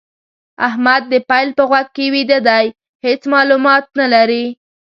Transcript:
احمد د پيل په غوږ کې ويده دی؛ هيڅ مالومات نه لري.